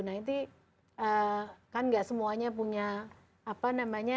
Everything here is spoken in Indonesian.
nah itu kan gak semuanya punya apa namanya